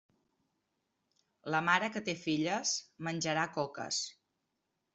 La mare que té filles menjarà coques.